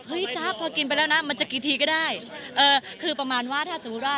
จ๊ะพอกินไปแล้วนะมันจะกี่ทีก็ได้เออคือประมาณว่าถ้าสมมุติว่า